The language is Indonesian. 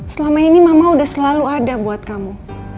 selama ini mama udah selalu ada buat kamu